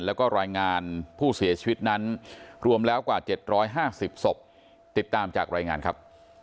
แล้วก็รายงานผู้เสียชีวิตนั้นรวมแล้วกว่า๗๕๐ศพติดตามจากรายงานครับ